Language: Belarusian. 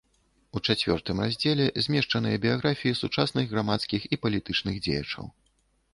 У чацвёртым раздзеле змешчаныя біяграфіі сучасных грамадскіх і палітычных дзеячаў.